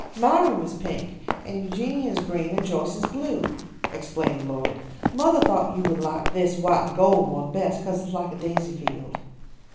"My room is pink, and Eugenia's green, and Joyce's blue," explained Lloyd. "Mothah thought you would like this white and gold one best, 'cause it's like a daisy field."